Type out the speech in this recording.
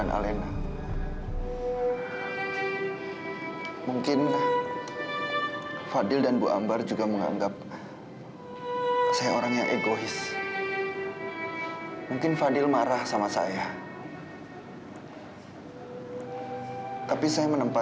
sampai jumpa di video selanjutnya